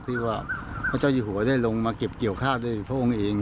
ที่ว่าพระเจ้าอยู่หัวได้ลงมาเก็บเกี่ยวข้าวด้วยพระองค์เอง